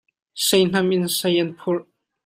Seihnam in sei an phurh.